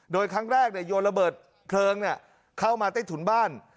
โดยครั้งแรกเนี่ยโยนระเบิดเคริงเนี่ยเข้ามาใต้ถุนบ้าน